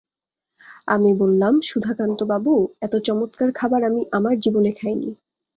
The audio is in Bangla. আমি বললাম, সুধাকান্তবাবু, এত চমৎকার খাবার আমি আমার জীবনে খাই নি।